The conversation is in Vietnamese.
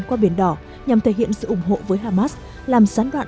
qua biển đỏ nhằm thể hiện sự ủng hộ với hamas làm sán đoạn